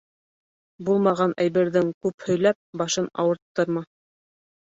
Булмаған әйберҙең күп һөйләп башын ауырттырма.